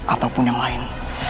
ataupun yang lain